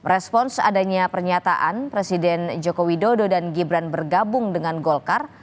respon seadanya pernyataan presiden jokowi dodo dan gibran bergabung dengan golkar